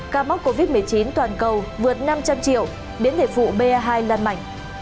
ca mắc covid một mươi chín toàn cầu vượt năm trăm linh triệu biến thể phụ ba hai lan mảnh